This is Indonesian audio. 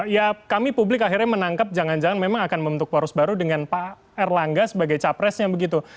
ya kami publik akhirnya menangkap jangan jangan memang akan membentuk poros baru dengan pak erlangga sebagai capresnya begitu